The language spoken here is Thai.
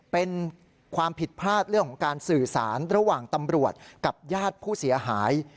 เป็นความผิดพลาดเรื่องของการสื่อสารระหว่างตำรวจกับญาติผู้เสียหาย